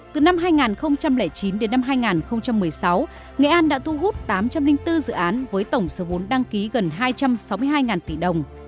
từ năm hai nghìn chín đến năm hai nghìn một mươi sáu nghệ an đã thu hút tám trăm linh bốn dự án với tổng số vốn đăng ký gần hai trăm sáu mươi hai tỷ đồng